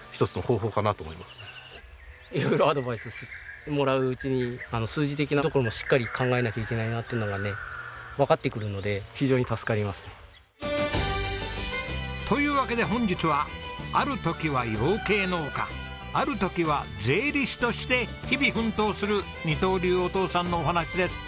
いろいろアドバイスもらううちに数字的なところもしっかり考えなきゃいけないなというのがねわかってくるので非常に助かりますね。というわけで本日はある時は養鶏農家ある時は税理士として日々奮闘する二刀流お父さんのお話です。